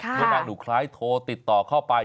เมื่อนางหนูคล้ายโทรติดต่อเข้าไป